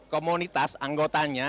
lima puluh komunitas anggotanya